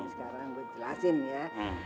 sekarang gue jelasin ya